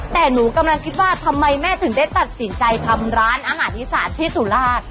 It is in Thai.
แต่หนูกำลังคิดว่าทำไมแม่ถึงได้ตัดสินใจทำร้านอาหารอีสานที่สุราช